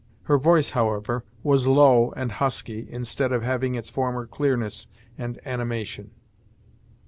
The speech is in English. Her voice, however, was low and husky, instead of having its former clearness and animation.